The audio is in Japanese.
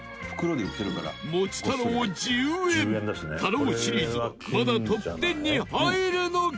餅太郎、１０円太郎シリーズはまだトップ１０に入るのか？